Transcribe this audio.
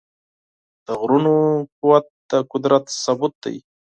د غرونو قوت د قدرت ثبوت دی.